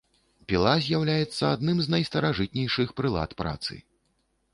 Піла з'яўляецца адным з найстаражытнейшых прылад працы.